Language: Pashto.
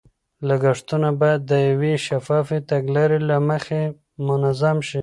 لګښتونه باید د یوې شفافې تګلارې له مخې تنظیم شي.